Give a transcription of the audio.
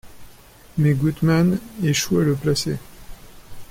Mais Gutman échoue à le placer.